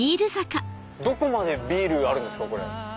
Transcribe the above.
どこまでビールあるんですか？